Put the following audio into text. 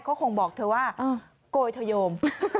เขาคงบอกเธอว่าโกยทะโยม